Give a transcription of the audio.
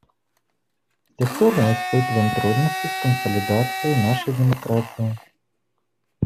С тех пор мы испытываем трудности с консолидацией нашей демократии.